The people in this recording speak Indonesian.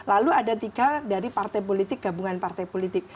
lalu ada tiga dari partai politik gabungan partai politik